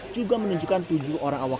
juga menunjukkan tujuh orang awak